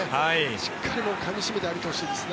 しっかりかみ締めて歩いてほしいですね。